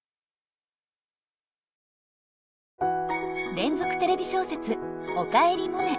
連続テレビ小説「おかえりモネ」。